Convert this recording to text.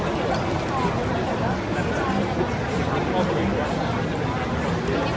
ช่องความหล่อของพี่ต้องการอันนี้นะครับ